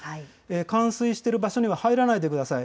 冠水してる場所には入らないでください。